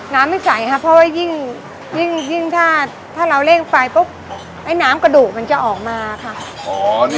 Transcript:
น้ำไม่ใสค่ะเพราะว่ายิ่งถ้าเราเร่งไฟปุ๊บไอ้น้ำกระดูกมันจะออกมาค่ะ